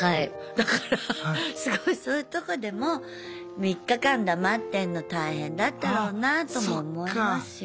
だからすごいそういうとこでも３日間黙ってんの大変だったろうなとも思いますよ。